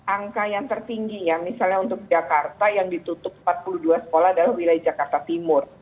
angka yang tertinggi ya misalnya untuk jakarta yang ditutup empat puluh dua sekolah adalah wilayah jakarta timur